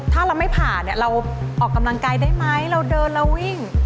ถ้าเราไม่ผ่าเนี่ยเราออกกำลังกายได้ไหมเราเดินเราวิ่ง